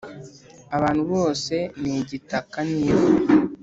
abantu, bose ni igitaka n’ivu